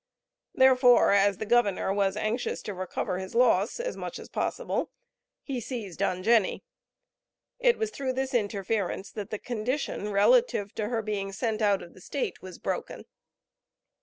Therefore, as the Governor was anxious to recover his loss as much as possible, he seized on Jenny. It was through this interference that the condition relative to her being sent out of the state was broken.